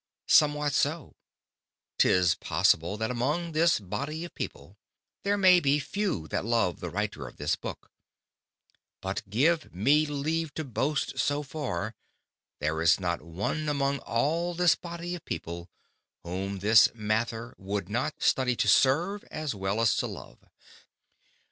_ Somewhat so: 'Tis possible, that among this Body of People, there may be few that love the Writer of this Book; but give me leave to boast so far, there is not one among all this Body of People, whom this Mather would not study to serve, as well as to love.